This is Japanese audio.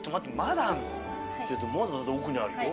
ちょっとまだだって奥にあるよ。